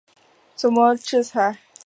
该公告所述和原先的赛程出现分歧。